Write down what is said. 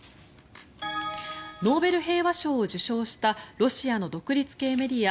ノーベル平和賞を受賞したロシアの独立系メディア